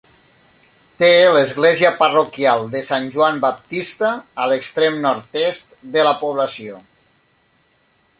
Té l'església parroquial de Sant Joan Baptista a l'extrem nord-est de la població.